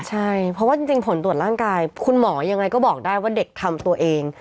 ใช่เพราะว่าจริงผลตรวจร่างกายคุณหมอยังไงก็บอกได้ว่าเด็กทำตัวเอง